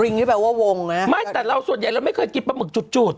นี่แปลว่าวงนะไม่แต่เราส่วนใหญ่เราไม่เคยกินปลาหมึกจุดจุด